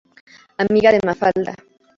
Amiga de Mafalda.